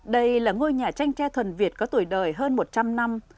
đây là ngôi nhà tranh tre thuần việt có tuổi đời hơn một trăm linh năm